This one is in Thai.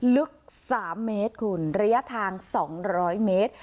ลึก๓เมตรคุณระยะทาง๒๐๐เมตร